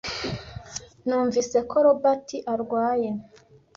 Numvise ko Robert arwaye.